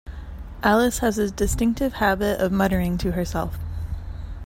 Alice has a distinctive habit of muttering to herself.